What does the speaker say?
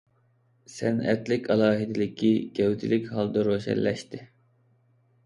سەنئەتلىك ئالاھىدىلىكى گەۋدىلىك ھالدا روشەنلەشتى.